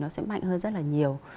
nó sẽ mạnh hơn rất là nhiều